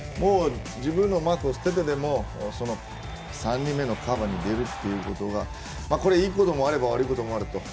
自分のマークを捨ててでも３人目のカバーに出るというところがこれはいいこともあれば悪いこともあると。